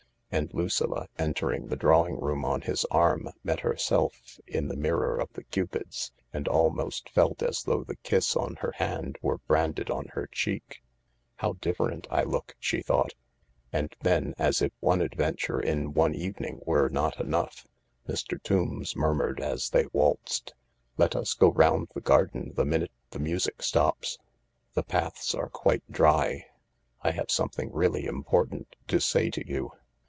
And Lucilla, entering the drawing room on his arm, met herself in the mirror of the cupids, and almost felt as though the kiss on her hand were branded on her cheek. " How different I look I " she thought. And then, as if one adventure in one evening were not enough, Mr. Tombs murmured as they waltzed :" Let us go round the garden the minute the music stops ; the paths are quite dry. I have something really important to say to you."